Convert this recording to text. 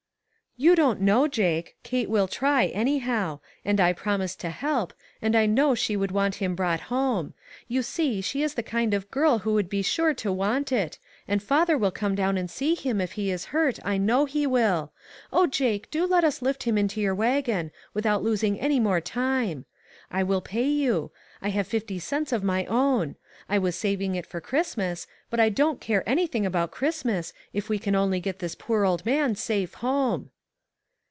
"You don't know, Jake; Kate will try, anyhow; and I promised to help, and I know she would want him brought home ; you see, she is the kind of girl who ONE OF THE HOPELESS CASES. 333 would be sure to want it, and father will come down and see him, if he is hurt, I know he will. O Jake, do let us lift him into your wagon, without losing any more time. I will pay you ; I have fifty cents of my own. I was saving it for Christmas, but I don't care anything about Christmas if we can only get this poor old man safe home."